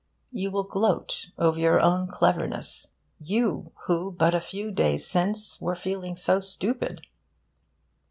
You will gloat over your own cleverness you, who but a few days since, were feeling so stupid.